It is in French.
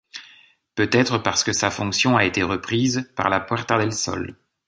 Peut-être parce que sa fonction a été reprise par la Puerta del Sol.